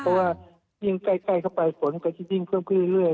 เพราะว่ายิ่งใกล้เข้าไปฝนก็จะยิ่งเพิ่มขึ้นเรื่อย